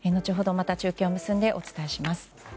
また中継を結んでお伝えします。